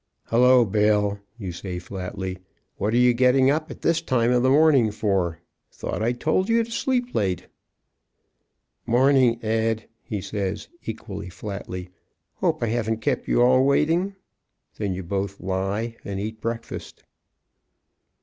"Hello, Bill," you say flatly, "what are you getting up this time of the morning for? Thought I told you to sleep late." "Morning, Ed," he says, equally flatly, "hope I haven't kept you all waiting." Then you both lie and eat breakfast.